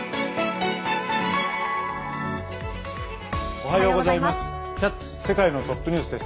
おはようございます。